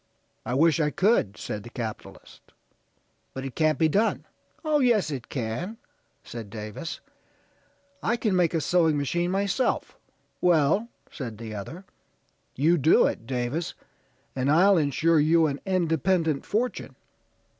'I wish I could,' said the capitalist, 'but it can't be done,' 'Oh, yes, it can,' said Davis. 'I can make a sewing machine myself.' 'Well,' said the other; 'you do it, Davis, and I'll insure you an independent fortune.'